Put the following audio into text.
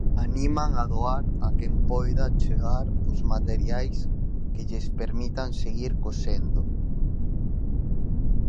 Animan a doar a quen poida achegar os materiais que lles permitan seguir cosendo.